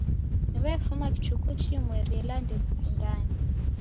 W'efuma kichuku chimweri ela ndew'ikundane.